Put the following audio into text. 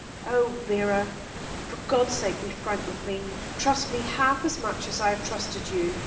Oh, Vera, for God's sake be frank with me. Trust me half as much as I have trusted you.